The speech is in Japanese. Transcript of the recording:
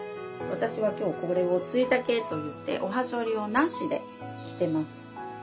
私は今日これを対丈といっておはしょりをなしで着てます。